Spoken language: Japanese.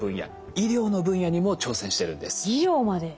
医療まで。